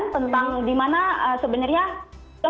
tentang dimana sebenarnya